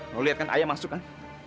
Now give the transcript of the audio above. lalu liat kan ayah masuk kan